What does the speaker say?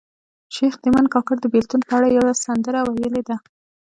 شیخ تیمن کاکړ د بیلتون په اړه یوه سندره ویلې ده